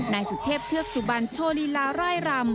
นายสุเทพเทือกสุบันโชว์ลีลาร่ายรำ